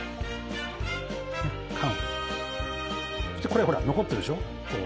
そしてこれほら残ってるでしょ。